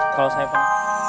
kalau saya pengen